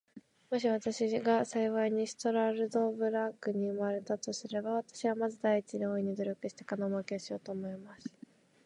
もし私が幸いにストラルドブラグに生れたとすれば、私はまず第一に、大いに努力して金もうけをしようと思います。